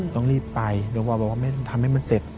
ต้องรีบไปโรงพยาบาลบอกว่าทำให้มันเสร็จ